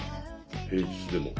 平日でも。